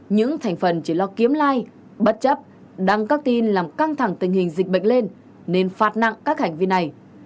những thành phần chỉ lo kiếm lai bất chấp đăng các tin làm căng thẳng tình hình dịch bệnh lên nên phạt nặng các hành vi này